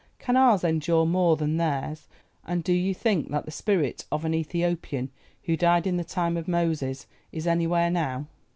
Can ours endure more than theirs, and do you think that the spirit of an Ethiopian who died in the time of Moses is anywhere now?"